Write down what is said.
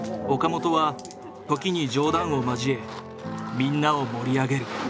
岡本は時に冗談を交えみんなを盛り上げる。